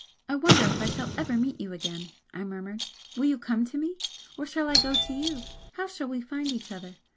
"I wonder if I shall ever meet you again?" I murmured "Will you come to me? or shall I go to you? How shall we find each other?